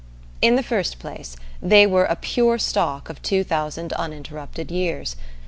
In the first place, they were a "pure stock" of two thousand uninterrupted years.